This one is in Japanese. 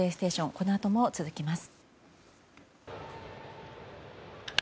このあとも続きます。